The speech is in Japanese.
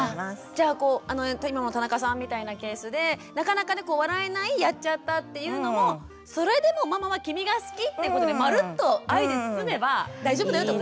じゃあ今も田中さんみたいなケースでなかなかね笑えない「やっちゃった！」っていうのもそれでもママは君が好きってことでまるっと愛で包めば大丈夫だよってことですね。